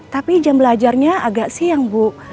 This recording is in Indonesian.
tapi jam belajarnya agak siang bu